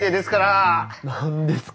何ですか？